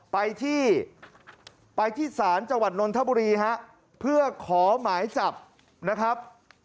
ไปที่สารจังหวัดนนทบุรีเพื่อขอหมายจับนะครับ